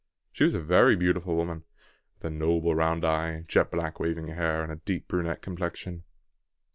She was a very beautiful woman, with a noble round eye, jet black waving hair, and a deep brunette complexion.